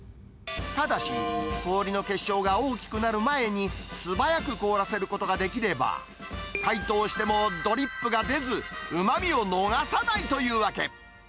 ただし、氷の結晶が大きくなる前に、素早く凍らせることができれば、解凍してもドリップが出ず、うまみを逃さないというわけ。